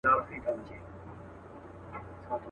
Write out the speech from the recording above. بلال په وینو رنګوي منبر په کاڼو ولي.